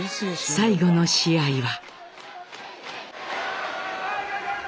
最後の試合は。